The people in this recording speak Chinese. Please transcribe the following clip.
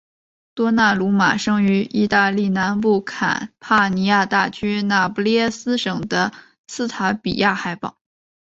多纳鲁马生于义大利南部坎帕尼亚大区那不勒斯省的斯塔比亚海堡。